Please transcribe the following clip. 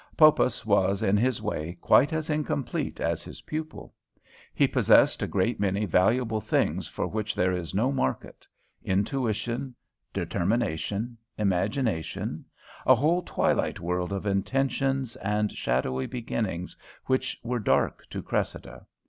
Poppas was, in his way, quite as incomplete as his pupil. He possessed a great many valuable things for which there is no market; intuitions, discrimination, imagination, a whole twilight world of intentions and shadowy beginnings which were dark to Cressida.